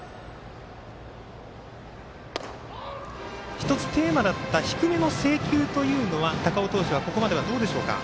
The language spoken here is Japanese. １つテーマだった低めの制球というのは高尾投手はここまではどうでしょうか。